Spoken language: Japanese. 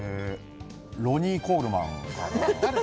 ロニー・コールマン。